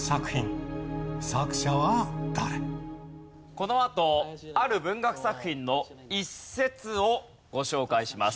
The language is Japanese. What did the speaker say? このあとある文学作品の一節をご紹介します。